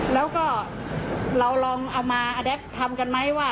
แล้วก็เราลองเอามาอแด๊กทำกันไหมว่า